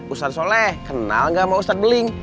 ustadz soleh kenal gak mau ustadz beling